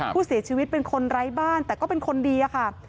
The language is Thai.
ผู้เสียชีวิตเป็นคนไร้บ้านแต่ก็เป็นคนดีอะค่ะ